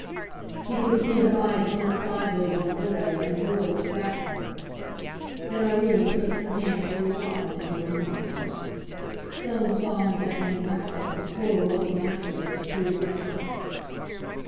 He could see her eyes glint sideways at the boy, and the boy look back at her. Then Irene slipped her hand through his arm, and drew him on. Soames saw him glancing round, and Fleur looking after them as the three went out.